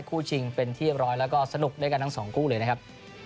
ได้คู่จิงเป็นเทียบร้อยแล้วก็สนุกด้วยกันทั้งสองกู้เลยนะครับ